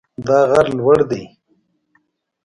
دا غر لوړ ده